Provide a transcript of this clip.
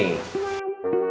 kamu mau kemana